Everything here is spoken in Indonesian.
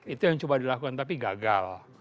itu yang coba dilakukan tapi gagal